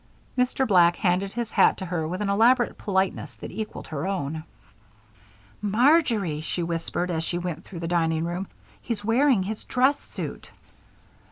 Mr. Black handed his hat to her with an elaborate politeness that equaled her own. "Marjory!" she whispered as she went through the dining room. "He's wearing his dress suit!"